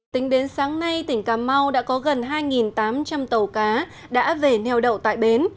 tính đến sáng nay tỉnh cà mau đã có gần hai tám trăm linh tàu cá đã về neo đậu tại bến